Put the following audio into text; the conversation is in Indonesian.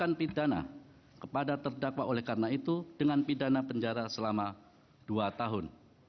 dan memperhatikan pidana kepada terdakwa oleh karena itu dengan pidana penjara selama dua tahun